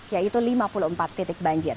yaitu lima puluh empat titik banjir